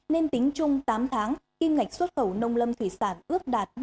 nên tính chung tám tháng kim ngạch xuất khẩu nông lâm thủy sản ước đạt ba mươi hai một tỷ usd